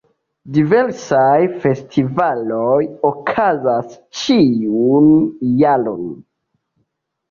Diversaj festivaloj okazas ĉiun jaron.